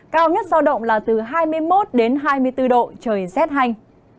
cao nhất giao động là từ hai mươi một đến hai mươi bốn độ trời rét hành